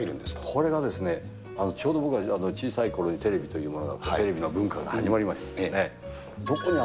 これがですね、ちょうど僕は小さいころにテレビというものが、テレビの文化が始まりましたよね。